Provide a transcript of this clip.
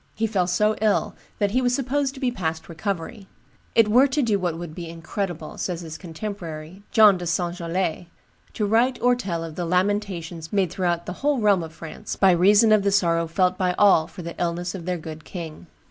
He fell so ill that he was supposed to be past recovery. "It were to do what would be incredible," says his contemporary, John de St. Gelais, "to write or tell of the lamentations made throughout the whole realm of France, by reason of the sorrow felt by all for the illness of their good king.